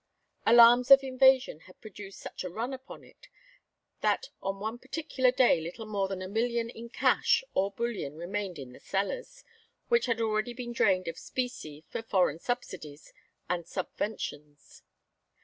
Alarms of invasion had produced such a run upon it, that on one particular day little more than a million in cash or bullion remained in the cellars, which had already been drained of specie for foreign subsidies and subventions.